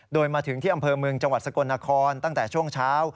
โดยมาถึงที่อำเภอเมืองจังหวัดสกลนครตั้งแต่ช่วงเช้า